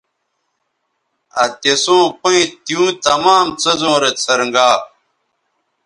آ تِسوں پیئں تیوں تمام څیزوں رے څھنرگا